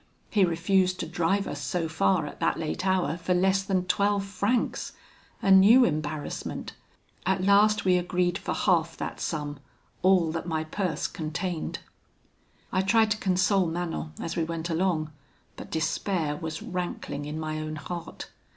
He refused to drive us so far at that late hour for less than twelve francs. A new embarrassment! At last we agreed for half that sum all that my purse contained. "I tried to console Manon as we went along, but despair was rankling in my own heart.